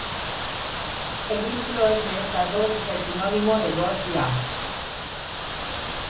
El vínculo entre estas dos es el sinónimo de Grosse Syrah.